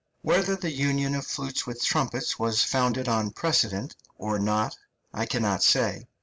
Whether the union of flutes with trumpets was founded on precedent or not I cannot say.